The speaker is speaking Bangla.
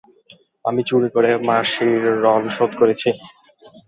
আমি চুরি করে মাসির ঋণ শোধ করেছি।